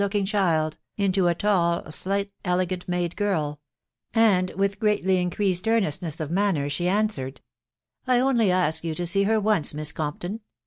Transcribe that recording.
looking child into a tall, slight, elegantly made girl ; and with greatly increased earnestness of manner she answered, —" I only ask you to see her once, Miss Compton.